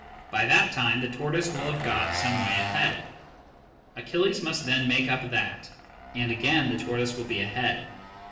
By that time the tortoise will have got some way ahead. . Achilles must then make up that, and again the tortoise will be ahead.